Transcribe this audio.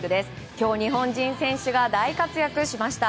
今日は日本人選手が大活躍しました。